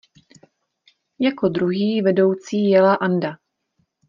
Jako druhý vedoucí jela Anda.